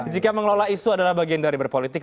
jika mengelola isu adalah bagian dari berpolitik